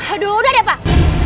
aduh udah deh pak